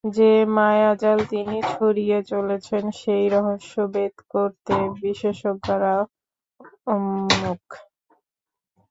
যে মায়াজাল তিনি ছড়িয়ে চলেছেন, সেই রহস্য ভেদ করতে বিশেষজ্ঞরা উন্মুখ।